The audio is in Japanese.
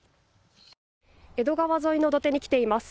江戸川沿いの土手に来ています。